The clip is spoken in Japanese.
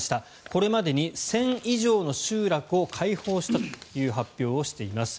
これまでに１０００以上の集落を解放したという発表をしています。